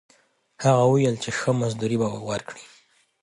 هغه وویل چې ښه مزدوري به ورکړي.